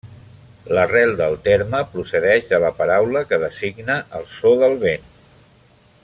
L'arrel del terme procedeix de la paraula que designa el so del vent.